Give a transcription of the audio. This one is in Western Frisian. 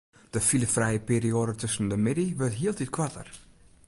De filefrije perioade tusken de middei wurdt hieltyd koarter.